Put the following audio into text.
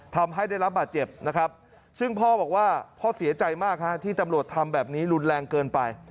ทำให้ได้รับบาดเจ็บนะครับซึ่งพ่อบอกว่าพ่อเสียใจมากฮะที่ตำรวจทำแบบนี้รุนแรงเกินไป